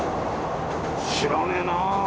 知らねえなあ。